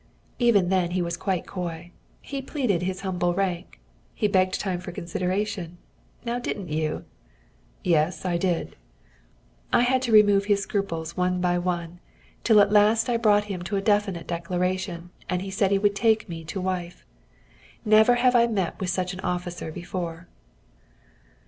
"Even then he was quite coy. He pleaded his humble rank. He begged time for consideration. Now, didn't you?" "Yes, I did." "I had to remove his scruples one by one, till at last I brought him to a definite declaration, and he said he would take me to wife. Never have I met with such an officer before."